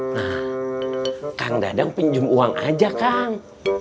nah kang dadang pinjum uang aja kang